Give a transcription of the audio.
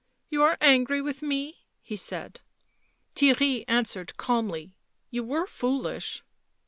" You are angry with me," he said. Theirry answered calmly. "You were foolish."